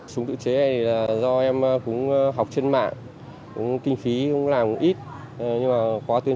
súng tự chế này là do em cũng học trên mạng cũng kinh phí cũng làm ít nhưng mà quá tuyên